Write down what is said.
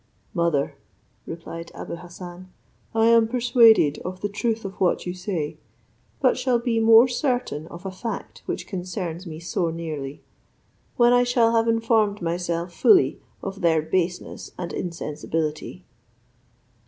"Mother," replied Abou Hassan, "I am persuaded of the truth of what you say, but shall be more certain of a fact which concerns me so nearly, when I shall have informed myself fully of their baseness and insensibility."